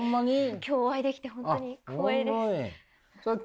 今日お会いできて本当に光栄です。